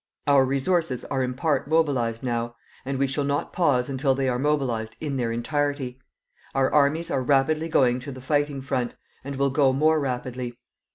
Our resources are in part mobilized now, and we shall not pause until they are mobilized in their entirety. Our armies are rapidly going to the fighting front, and will go more rapidly.